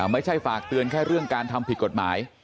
ไม่ใช่ฝากเตือนแค่เรื่องการทำผิดกฎหมาย